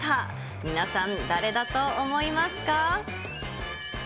皆さん、誰だと思いますか？